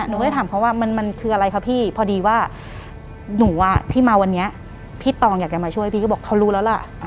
หนูก็เลยถามเขาว่ามันคืออะไรคะพี่พอดีว่าหนูอ่ะที่มาวันนี้พี่ตองอยากจะมาช่วยพี่ก็บอกเขารู้แล้วล่ะ